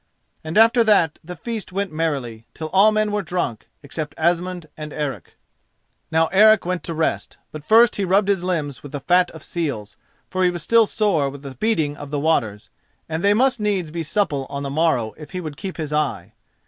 And after that the feast went merrily, till all men were drunk, except Asmund and Eric. Now Eric went to rest, but first he rubbed his limbs with the fat of seals, for he was still sore with the beating of the waters, and they must needs be supple on the morrow if he would keep his eye.